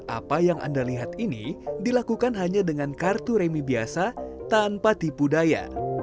apa yang anda lihat ini dilakukan hanya dengan kartu remi biasa tanpa tipu daya